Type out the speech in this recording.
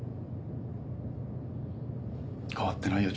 変わってないよ